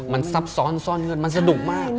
มันซับซ้อนซ่อนเงินมันสนุกมาก